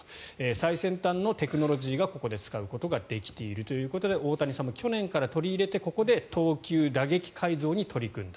最先端のテクノロジーを、ここで使うことができているということで大谷さんも去年から取り入れて投球・打撃改造に取り組んだ。